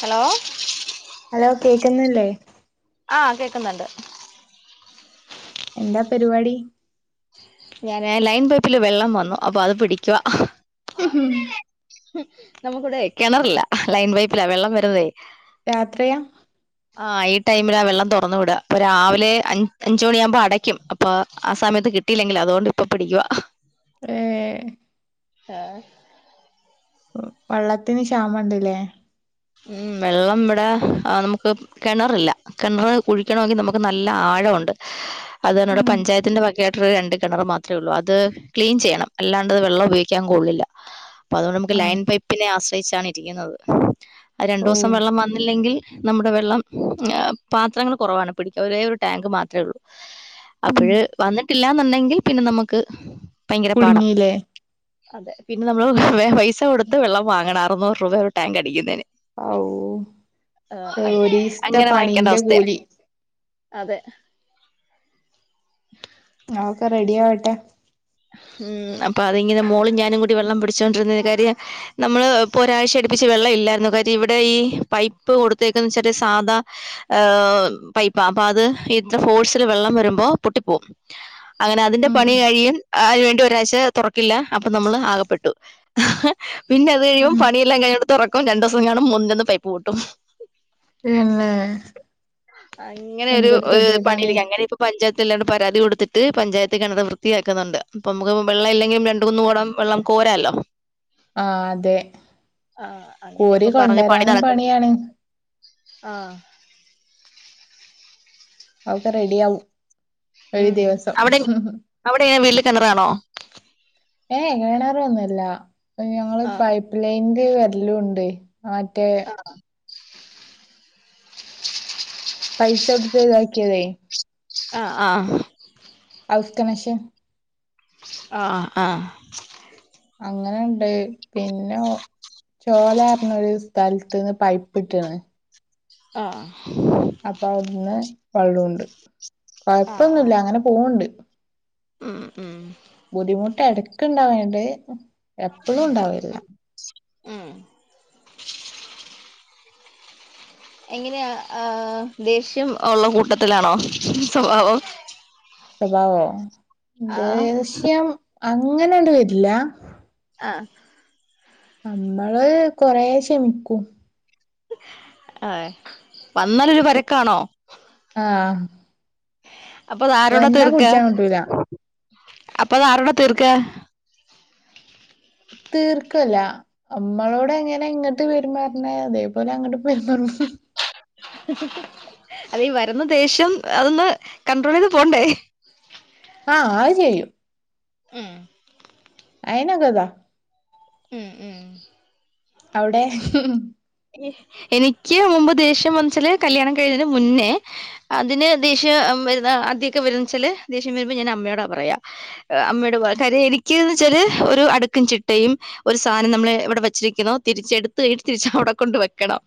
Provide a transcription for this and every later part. Hello? Hello കേക്കുന്നില്ലേ? ആഹ് കേക്കുന്നുണ്ട്. എന്താ പരിപാടി? ഞാന് ലൈൻ പൈപ്പില് വെള്ളം വന്നു അപ്പൊ അത് പിടിക്കുവാ [inaudible] നമുക്കിവിടെ കിണറില്ല, ലൈൻ പൈപ്പിലാ വെള്ളം വരുന്നതേ രാത്രിയാ? ആ ഈ ടൈമിലാ വെള്ളം തുറന്നു വിട അപ്പൊ രാവിലെ അ അഞ്ച് മണി ആവുമ്പോ അടയ്ക്കും അപ്പൊ ആ സമയത്ത് കിട്ട കിട്ടീല്ലെങ്കിൽ അുകൊണ്ട് ഇപ്പം പിടിക്കുവാ. ഏഹ് ആഹ് വെള്ളത്തിന് ക്ഷാമണ്ടല്ലേ? മ്ഹ് വെള്ളം ഇവിടെ ആഹ് നമുക്ക് കിണറില്ല, കിണർ കുഴിക്കണമെങ്കിൽ നമുക്ക് നല്ല ആഴമുണ്ട് അത് കൊണ്ട് ഇവിടെ ഉം പഞ്ചായത്തിന്റെ [unintelligible] രണ്ട് കിണർ മാത്രേ ഉള്ളൂ അത് ക്ലീൻ ചെയ്യണം അല്ലാണ്ട്ത് വെള്ളം ഉപയോഗിക്കാൻ കൊള്ളില്ല അപ്പൊ അതുകൊണ്ട് നമുക്ക് ആഹ് ലൈൻ പൈപ്പിനെ ആശ്രയിച്ചാണ് ഇരിക്കുന്നത്. രണ്ടു ഓ ദിവസം വെള്ളം വന്നില്ലെങ്കിൽ നമ്മുടെ വെള്ളം, പാത്രങ്ങൾ കുറവാണ് പിടിക്കാൻ ഒരേ ഒരു ടാങ്ക് മാത്രേ ഉള്ളൂ. [inaudible] അപ്പോഴ് വന്നിട്ടില്ലാന്നുണ്ടെങ്കിൽ പിന്നെ നമുക്ക് പയങ്കര പാടാ. കുടുങ്ങില്ലേ അതെ പിന്നെ നമ്മള് വെ പൈസ കൊടുത്ത് വെള്ളം വാങ്ങണം അറുന്നൂറ് രൂപ ഒരു ടാങ്ക് അടിക്കുന്നതിന്. ആവൂ ഒരീസത്തെ അങ്ങനെ വാങ്ങിക്കേണ്ട പണീന്റെ അവസ്ഥയാ കൂലി. അതെ. [inaudible] ആക്ക റെഡി ആവട്ടെ? ഉം അപ്പൊ അതി ഇങ്ങനെ മോളും ഞാനും കൂടി വെള്ളം പിടിച്ചുകൊണ്ടിരുന്ന കാര്യം നമ്മള് ഇപ്പൊ ഒരാഴ്ച അടുപ്പിച്ച് വെള്ളം ഇല്ലായിരുന്നു കാര്യം ഇവിടെ ഈ പൈപ്പ് കൊടുത്തേക്കന്ന് വെച്ചാ സാധാ ഏഹ പൈപ്പാ അപ്പൊ അത് ഇന്റെ ഫോഴ്സില് വെള്ളം വരുമ്പോ പൊട്ടിപ്പോവും അങ്ങഅതിന്റെ ഉം പണി കഴിയും അതിന് വേണ്ടി ഒരാഴ്ച തുറക്കില്ല അപ്പൊ നമ്മള് ആകപ്പെട്ടു പിന്നെ അത് കഴിയുബോ ഉം പണിയെല്ലാം കഴിയുബോ തുറക്കും രണ്ടു ദിവസം കാണും മൂന്നിന്റ അന്ന് പൈപ്പ് പൊട്ടും പിന്നെ അങ്ങനെ ഒരു എന്തൊരു ഗതികേടാണ് പണിയിലക്ക് അങ്ങനെ ഇപ്പൊ പഞ്ചായത്തില്ലാണ്ട് പരാതി കൊടുത്തിട്ട് പഞ്ചായത്തി കിണർ വൃത്തിയാക്കുന്നുണ്ട് അപ്പൊ നമുക്ക് വെള്ള ഇല്ലെങ്കിൽ രണ്ടുമൂന്നു കുടം വെള്ളം കോരാല്ലോ ആഹ് അതെ ആഹ അങ്ങനെ കോരി ഇപ്പൊ പറഞ്ഞ പണി കൊണ്ടുവരാനും നടക്കുന്നു പണിയാണ് ആഹ അവുടെ റെഡിയാവും ഉം ഒരു ദിവസം അവിടെ അവിടെവീട്ടിൽ കിണറാണോ ഏ കിണർ ഒന്നുമല്ല ഞങ്ങള് ആഹ് പൈപ്പ് നിന്റെ വിരല് കൊണ്ട് ആ ആഹ പൈസ കൊടുത്ത് ഇതാക്കിയതേ ആഹ ആഹ ഹൗസ് കണഷൻ ആഹ ആഹ അങ്ങനുണ്ട് പിന്നെ ചോല ന് പറഞ്ഞ ഒരു സ്ഥലത്ത് നിന്ന് പൈപ്പ് ഇട്ടാണ് ആഹ അപ്പൊ അവിടുന്ന് വള്ളംണ്ട് ആഹ് കുഴപ്പൊന്നുമല്ല ആഹ് അങ്ങനെ പോവണ്ട് ഉം ഉം ബുദ്ധിമുട്ട് എടക്കുണ്ടാവണ്ട് എപ്പഴും ഉണ്ടാവല്ല ഉം [inaudible] എങ്ങനെയാ ആഹ ദേഷ്യം ഉള്ള കൂട്ടത്തിലാണോ സ്വഭാവം സ്വഭാവോ ആഹ് ദേഷ്യം അങ്ങനെയണ്ട് വരില്ല ആഹ നമ്മള് കൊറെ ക്ഷമിക്കും ആഹ വന്നാലൊരു പരക്കാണോ ആഹ അപ്പൊ അത് ആരോട തീർക്ക പുടിച്ചാൻ കിട്ടൂല അപ്പൊഅത് ആരോട തീർക്കാ തീർക്കുവല്ല അമ്മളോട് എങ്ങനെ ഇങ്ങോട്ട് പെരുമാറുന്നെ അതേപോലെ അങ്ങോട്ട് പെരുമാറും അത ഈ വരുന്ന ദേഷ്യം അതൊന്ന് കൺണ്ട്രോൾ ചെയ്ത് പോകണ്ടേ ആഹ അത് ചെയ്യും ഉം ആയിന കഥാ ഉം ഉം അവിടെ എനിക്ക് മുമ്പ് ദേഷ്യം മനസിൽ കല്യാണം കഴിഞ്ഞതിന് മുന്നേ അതിന് ദേഷ്യം വരുന്ന ആദ്യക്കെ വരുന്നച്ചാല് ദേഷ്യം വരുമ്പോൾ ഞാൻ അമ്മയോടാ പറയാ അമ്മയുടെ പോ കാര്യം എനക്ക്ന്ന് വെച്ചാല് ഒരു അടുക്കും ചിട്ടയും ഒരു സാധനം നമ്മള് ഇവിടെ വെച്ചിരിക്കുന്നുന്നു തിരിച്ച എടുത്ത കട്ട് രിച്ചവിടെ കൊണ്ട് വെക്കണം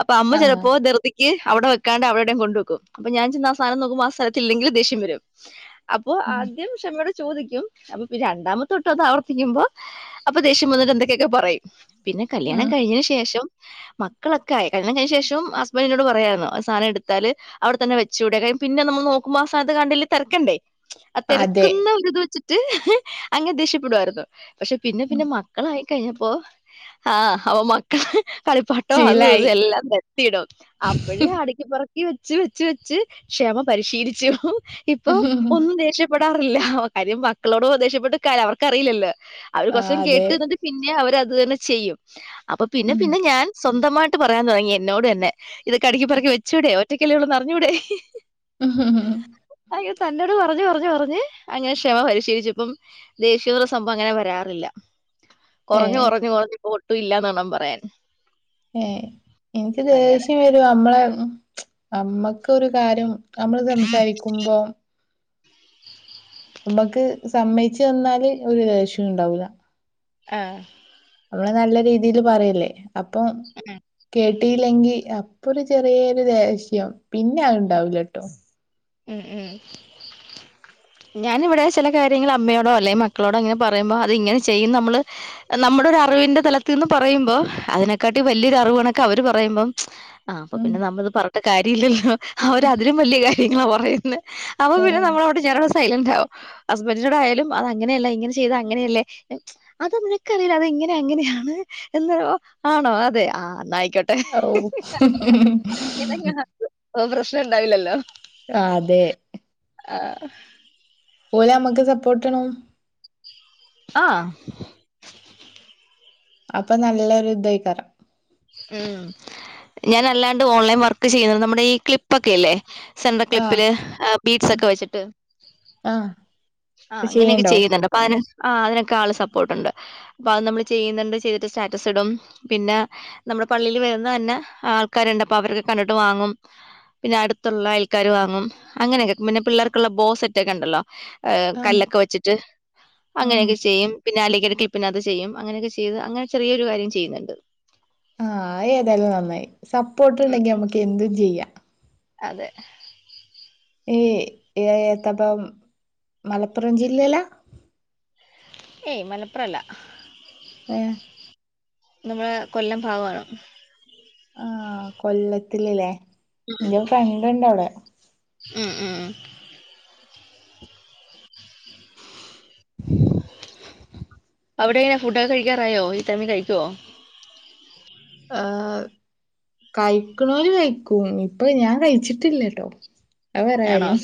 അപ്പൊ അമ്മ ആഹ് ചിലപ്പോ തൃ തി എ അവിടെ വെക്കാണ്ട് അവടെടയും ക് കൊു വക്കും അപ്പൊ ഞാൻ ചെന്നാ ആ സാനം നോക്കുമ്പോ സ്ഥല ഇല്ലങ്ക ദേഷ്യം വരും അപ്പോൊ ഉം ആദ്യം ക്ഷമേടെ ചോദിക്കും അപ്പൊ രണ്ടാമത്തെൊട്ട ഒന്ന് ആവർത്തിക്കുമ്പോ അപ്പൊ ദേഷ്യം വന്നിട്ട് എന്തൊക്കെയൊക്കെ പറയും പിന്നെ കല്യാണം ഉം കഴിഞ്ഞന് ശേഷം മക്കളൊക്കെ ആയി കല്ലിയണം കഴിഞ്ഞ ശേഷം ഹസ്ബൻഡിനോട് പറയമായിരുന്നു ആ സാധനം എടുത്താല് അവിടെ തന്നെവെ ച്ചുൂട ക പിന്നെ നമ്മ നോക്ക്പോ ആ സതാ ന ത്ത് കണ്ടല്ല തിര ക്കണ്ടേ ആ അതെ തിരക്കുന്ന ഒരു ഇത് വെച്ചിട്ട് അങ്ങനെ ദേഷ്യപ്പെടുമായിരുന്നു പക്ഷെ പിന്നെ ഉം പിന്നെ മക്കളായി കഴിഞ്ഞപ്പോ ആഹ അവപ്പ മക്കൾ കളിപ്പാട്ടം അതും അത് ശീലായി എല്ലാം ത്തിടും അപ്പോഴ അടക്ക് പെറു ക്കി വെച്ച് വെച്ച് വെച്ച് ക്ഷമ പരിശീലിച്ചു ഇപ്പൊ ആഹ് ഒന്നും ദേഷ്യപ്പെടാറില്ല കാര്യം മക്കളോടും ദേഷ്യപ്പെട്ടാര് അവർക്കറിയില്ലല്ല അവർ കുസം അതെ കേട്ടന്നിട്ട് പിന്നെ അവരത് തന്നെ ചെയ്യും അപ്പൊ പിന്നെ ഉം പിന്നെ ഞാൻ സ്വന്തമായിട്ട് പറയാൻ തുടങ്ങി എന്നോട് തന്നെ ഇതൊക്കെടക്ക്ിറക്കി വെച്ചൂവിടേ ഒറ്റയ്ക്കല്ലള്ളന്ന് അറിഞ്ഞൂടേ ഉം ഉം ഉ അ തന്നോട് പറഞ്ഞഞ് പറഞ്ഞഞ് പറഞ്ഞ് അങ്ങനെ ക്ഷമ പരിശീലിച്ചു ഇപ്പം ദേശീയപൃ സംഭവം അങ്ങനെ വരാറില്ല കുറഞ്ഞ് ഏഹ് കുറഞ്ഞ് കുറഞ്പ്പോ ഒട്ടും ഇല്ലന്ന്ണം പറയാൻ ഏ എനിക്ക് അങ്ങനെ. ദേഷ്യം വരും നമ്മളെ അമ്മക്ക്ൊ ഒരു കാര്യം നമ്മള് സംസാരിക്കുമ്പോ നമ്മക്ക് സമ്മതിച്ചു ത ന്നാല് ഒരു ദേ സിം ഉണ്ടാവൂല ആഹ നമ്മള് നല്ല രീതിൽ പറയല്ലേ അപ്പം കേട്ടിയില്ലെങ്കി ഇപ്പൊ ഒരു ചെറിയൊരു ദേഷ്യം പിന്നെ അ ഉണ്ടാവൂല ട്ടോ ഉം ഉം ഞാനിവിടെ ചില കാര്യങ്ങൾ അമ്മയോടോ അല്ലെ മക്കളോടോ അങ്ങനെ പറയുമ്പോ അത് ഇങ്ങനെ ചെയ്യും നമ്മള് നമ്മുടെ ഒരു അറിവിന്റെ തലത്തിൽ നിന്ന് പറയുമ്പോ അതിനെക്കാട്ടി വലിയൊരു അറിവ്ണൊക്കെ അവര് പറയുമ്പോം ആ അപ്പൊ ഉം പിന്നെ നമ്മള ഇത് പറഞ്ഞട്ട കാര്യ ഇല്ലല്ലോ അവരതിലും വലിയ കാര്യങ്ങളാ പറയുന്നത് അപ്പ പിന്നെ ഏഹ് നമ്മള ഞാനവിടെ സൈലന്റ് ആാവോ ഹസ്ബന്ഡറിിനോട് ആയാലും അത് അങ്ങനെയല്ല ഇങ്ങനെ ചെയ്ത് അങ്ങനെയല്ലേ അത നിനക്കറിയില്ല അത് ഇങ്ങനെ അങ്ങനെയാണ് എന്നോ ആണോ അതെ ആ ന്നായിക്കോട്ടെ ഔ ഇങ്ങനെ പ്രശ്നം ഉണ്ടാവില്ലല്ലോ ആ അതെ ആ ഓലെ നമ്മുക്ക് സപ്പോർട്ട്ടാണം ആഹ അപ്പൊ നല്ലൊരു ഇതായികാരം ഉം ഞാൻല്ലാണ്ട് ഓൺലൈൻ വർക്ക് ചെയ്യുന്നു നമ്മുടെ ഈ ക്ലിപ്പൊക്കെല്ലേ സെൻട്ര ആഹ് ക്ലിപ്പില് ബീറ്റ്സ് ഉം ഒക്കെ വെച്ചിട്ട് ആഹ് ആ അത് അങ്ങനെയൊക്കെ ചെയ്യണ്ടോ ചെയ്യുന്നുണ്ട് [unintelligible] ആ് അതിനൊക്കെ ആള് സപ്പോർട്ട്ണ്ട് അപ്പൊ അത് നമ്മള് ചെയ്യുന്നുണ്ട് ചെയ്തിട്ട് സ്റ്റാറ്റസ് ഇടും പിന്നെ നമ്മുടെ പള്ളിയിൽ വരുന്ന തന്നെ ആൾക്കാരുണ്ട് അപ്പൊ അവരൊക്കെ കണ്ടിട്ട് വാങ്ങും പിന്നെ അടുത്തുള്ള ആൾക്കാര് വാങ്ങും അങ്ങനെയൊക്കെ പിന്നെ പിള്ളേർക്കുള്ള ബോ സെറ്റ്ൊക്കെ ഉണ്ടല്ലോ ആഹ് കല്ലൊക്കെ വെച്ചിട്ട് ഉം അങ്ങനെയൊക്കെ ചെയ്യും പിന്നെലക്ക്ടക്കിൽ പിന്ന അത് ചെയ്യും അങ്ങനെയൊക്കെ ചെയ്ത് അങ്ങെ ചെറിയൊരു കാര്ം ചെയ്യുന്നുണ്ട് ആഹ ഏതെല്ലാം നന്നായി സപ്പോർട്ട്ുണ്ടെങ്കി ഉം. നമുക്ക് എന്തും ചെയ്യാം അതെ ഏ ഏത്തപ്പം മലപ്പുറം ജില്ലയിലാ ഏയ് മലപ്പുറംല്ല ഏഹ് നമ്മടെ കൊല്ലം ഭാഗവാണ് ആഹ് കൊല്ലത്തില് ല്ലേ ഉം ഉം അവിടെ എങ്ങനാ ഫുഡൊക്കെ കഴിക്കാറായോ ഈ ടൈമീ കഴിക്കോ ആഹ് ആഹ് ഇര്ക്ക്ണോല് കയിക്കും ഇപ്പൊ ഞാൻ കയിച്ചിട്ടില്ലട്ടോ അ വേറെ ആണോ കാര്യം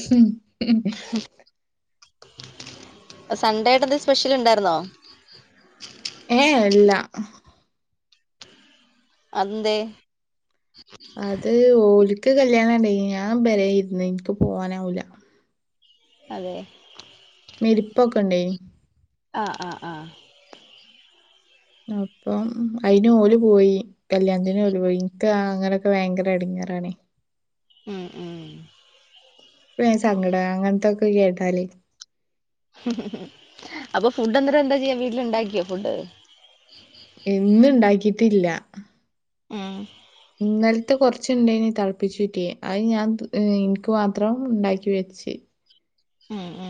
പ സൺണ്ടേയിട്ട് എന്തേ സ്പെഷ്യൽ ഇണ്ടായിര്ന്നോ ഏഹ് ഇല്ല അതെന്തേ? അത് ഓല്ക്ക് കല്യാണണ്ടേനി ഞാൻ പെരേ ഇര്ന്ന് ഇൻക്ക് പോവാനാവൂല അതേ മെരിപ്പൊക്കെണ്ടേനി ആഹ് ആഹ് ആഹ് അപ്പം അയിന് ഓല് പോയി കല്യാണത്തിന് ഓല് പോയി ഇൻക്ക് അങ്ങനൊക്കെ ഭയങ്കര എടങ്ങേറാണേ ഉം ഉം വേ സങ്കടാ അങ്ങൻത്തൊക്ക കേട്ടാലേ അപ്പൊ ഫുഡ് എന്നട്ട് എന്താ ചെയ്യാ വീട്ടില് ഇണ്ടാക്കിയോ ഫുഡ് ഇന്ന്ണ്ടാക്കീട്ടില്ല ആഹ് ഇന്നൽത്തെ കൊറച്ച്ണ്ടേനി തെളപ്പിച്ചൂറ്റെ അത് ഞാൻ ത് എനിക്ക് മാത്രം ഇണ്ടാക്കി വെച്ച് ഉം ഉം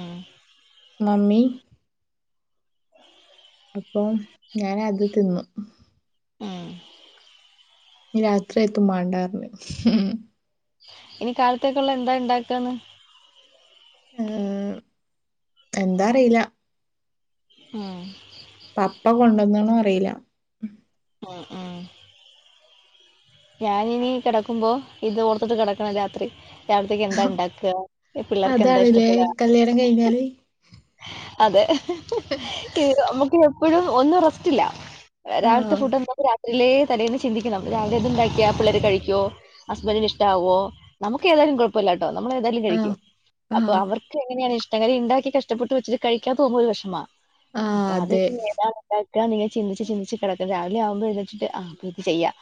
മ്മി പ്പോ ഞാനത് തിന്നു ആഹ് നി രാത്രിയെത്തും മാണ്ടാ ർഞ്ഞ് ഇനി കാലത്തേക്ക്ള്ള എന്താ ഇണ്ടാക്കാന്ന് ആഹ് എന്താറില്ല ആഹ് പപ്പ കൊണ്ടന്ന്ണോ അറില്ല ആഹ് ഞാനിനി കെടക്കുമ്പോ ഇത് ഓർത്തിട്ട് കെടക്കണം രാത്രി രാവിലത്തേക്ക് എന്താ ഇണ്ടാക്ക പിള്ളേർക്കെന്താ അതാണ്ല്ലേ ഇഷ്ടപ്പെടാ കല്യാണം കഴിഞ്ഞാല് അതെ ഈ നമ്മുക്ക് എപ്പഴും ഒന്നു റസ്റ്റില്ല രാവിലത്തെ ആഹ് ഫുഡെന്താന്ന് രാത്രിയിലേ തലേന്ന് ചിന്തിക്കണം രാവ് ണ്ടാക്കിയാ പിള്ളേര് കഴിക്ക്വോ ഹസ്ബൻഡിന് ഇഷ്ടാവോ നമുക്ക് ഏതായാലും കൊഴപ്പ് ല്ലട്ടോ നമ്മളേതായാലും കഴിക്കും ആഹ് അപ്പൊ ആഹ് അവർക്ക് എങ്ങനെയാണ് ഇഷ്ടം കാരണം ഇണ്ടാക്കി കഷ്ടപ്പെട്ട് വച്ചിട്ട് കഴിക്കാ പോവുമ്പോ ഒരു വെഷ്മാ അപ്പൊ ആഹ് അതി അതെ ഏതാണ് കെടക്കാണങ്കി ചിന്തിച്ച് ചിന്തിച്ച് കെടക്കും രാവിലെയാവുമ്പോ എഴുന്നേറ്റിട്ട് ആഹ് ഇത് ചെയ്യാ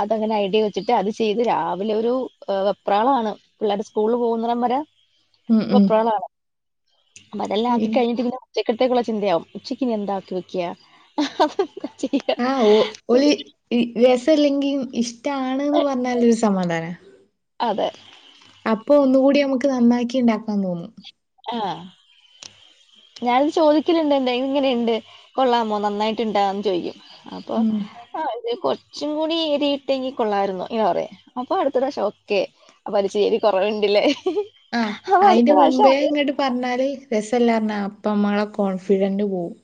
അതങ്ങനെ ഐഡിയ വെച്ചിട്ട് അത് ചെയ്ത് രാവിലെ ഒരു അ് വെപ്രാളാണ് പിള്ളേര്ട സ്കൂള്ള് പോകുന്നിടം വരെ ഉം ഉം വെപ്രാളാണ് അപ്പതെല്ലാ ആക്കി ഇൻ കഴിഞ്ഞിട്ട് പിന്നെ ച്ചക്കത്തേക്കുള്ള ചിന്തയാവും ഉച്ചക്കിനി എന്താക്കി വെക്ക്യാ ആഹ് ഓ ഓല് ഇ രസല്ലെങ്കീം ഇഷ്ടാണ്ന്ന് പറഞ്ഞാലൊരു സമാധാനാ അതെ അപ്പൊ ഒന്നുകൂടി നമുക്ക് നന്നാക്കി ഉണ്ടാക്ക തോന്നും ആഹ് ഞാനിത് ചോദിക്കലുണ്ട് എന്താ ഇങ്ങനുണ്ട് കൊള്ളാമോ നന്നായിട്ടുണ്ടാന്ന് ചോദിക്കും. അപ്പോ. ഉം ആ അത് കൊറച്ചും കൂടി രിയിട്ട ഇങ്ങ കൊള്ളായിരുന്നു ഇങ്ങനെ പറയാ അപ്പൊ അടുത്ത പ്രാവശ്യം ഒക്കെ അപ്പൊ അല ചേരി കുറവുണ്ടില്ലേ. ആഹ് അതിന് മുൻപേ ഇങ്ങട് പറഞ്ഞാല് രെസമില്ലാ അപ്പ നമ്മുടെ കോൺഫിഡന്റ് പോകും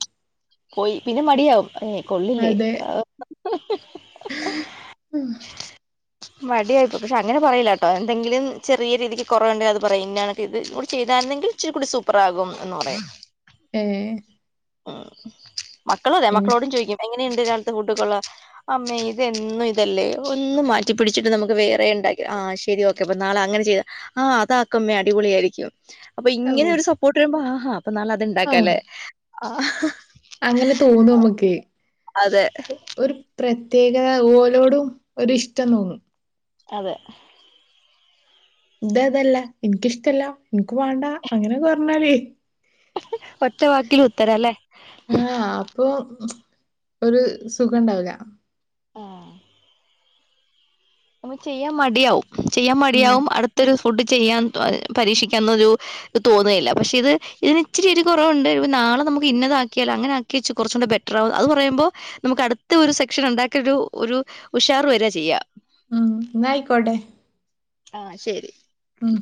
പോയി പിന്നെ മടിയാവും ഏ കൊള്ളില്ലേ. അതെ ഉം മട്യായിപ്പോയി പക്ഷെ അങ്ങനെ പറയല്ലാട്ടാേ എന്തെങ്കിലും ചെറിയ രീതിക്ക് കൊറവ്ണ്ടെങ്കി അത് പറയും ഇന്ന കണക്ക് ഇത് കൂടിം ചെയ്തായ്ര്ന്നെങ്കിൽ ഇച്ചിരി കൂടി സൂപ്പറാകും എന്ന് പറയാ. ഏഹ് ഉ മക്കള അതെ ഇനി മക്കളോടും ചോദിക്കും എങ്ങനെയുണ്ട് രാവിലത്തെ ഫുഡ്‌ കൊള്ളാവോ അമ്മേ ഇതന്നും ഇതല്ലേ ഒന്നും മാറ്റി പിടിച്ചിട്ട് നമുക്ക് വേറെ ഉണ്ടാക്ക ആഹ ശരി ഓക്ക. പ്പ നാളെ അങ്ങനെ ചെയ്ത ആ അതാക്കമ്മേ അടിപൊളിയ ആയിരിക്കും. അപ്പൊ ഇങ്ങനെ ഓ ഒരു സപ്പോർട്ട് വരുമ്പോ ആഹാ അപ്പൊ നാല അത്ണ്ടാക്ക ആ അല്ലേ ആ. അങ്ങനെ തോന്നു നമുക്ക് അതെ. ഒരു പ്രത്യേകത ഓലോടും ഒരിഷ്ടം തോന്നും. അതെ. ഇത അതല്ല ഇൻക്കിഷ്ടല്ല ഇൻക്ക് മാണ്ടാ അങ്ങനൊന്ന് പർഞ്ഞാല് ഒറ്റ വാക്കില് ഉത്തര അല്ലേ. ആഹ അപ്പൊ ഒരു സുഖം ഉണ്ടാവില്ല. ആഹ് നമക്ക് ചെയ്യാം മടിയാവും ചെയ്യാൻ ഉം മടിയാവും അട്ത്തൊര് ഫുഡ് ചെയ്യാം പരീക്ഷിക്കാവുന്നൊരു തോന്നുന്നയില്ല പക്ഷെ ഇത് ഇതിന് ഇച്ചിരി കുറവുണ്ട് നാളെ നമുക്ക് ഇന്നതാക്കിയാല അങ്ങനെ. കച്ച് കുറച്ചുകൂടെ ബെറ്ററാവും അ പറയുമ്പോൾ. നമുക്ക് അടുത്ത ഒരു സെക്ഷൻ ഉണ്ടാക്ക ഒരു ഒരു ഉഷാർ വരി ചെയ്യാം. ഉം നയിക്കോട്ടെ ആഹ ശരി. ഉം.